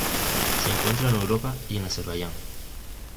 Se encuentra en Europa y en Azerbaiyán.